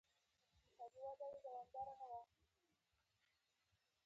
بلخ ډیر ګرم اوړی لري